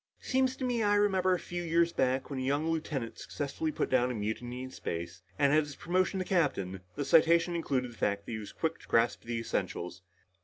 "Seems to me I remember a few years back when a young lieutenant successfully put down a mutiny in space, and at his promotion to captain, the citation included the fact that he was quick to grasp the essentials."